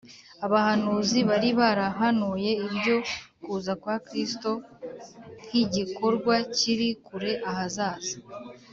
. Abahanuzi bari barahanuye ibyo kuza kwa Kristo nk’igikorwa kiri kure ahazaza